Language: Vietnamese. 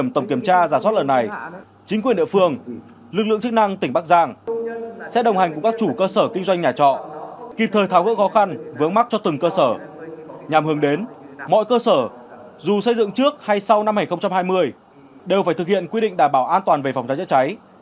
tù xây dựng trước hay sau năm hai nghìn hai mươi đều phải thực hiện quy định đảm bảo an toàn về phòng cháy chất cháy